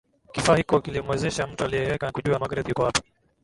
Kifaa hiko kilimuwezesha mtu aliyekiweka kujua Magreth yuko wapi